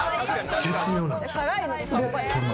絶妙なんですよね。